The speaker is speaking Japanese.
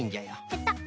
ペタッ。